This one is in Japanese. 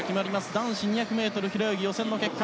男子２００ｍ平泳ぎ予選の結果。